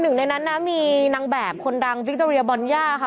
หนึ่งในนั้นนะมีนางแบบคนดังวิคโตเรียบอนย่าค่ะ